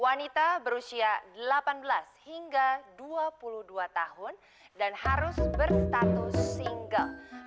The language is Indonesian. wanita berusia delapan belas hingga dua puluh dua tahun dan harus berstatus single